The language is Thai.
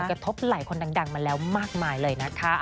กระทบไหล่คนดังมาแล้วมากมายเลยนะคะ